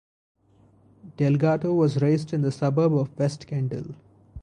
Delgado was raised in the suburb of West Kendall.